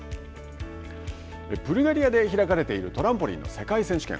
ブルガリアで開かれているトランポリンの世界選手権。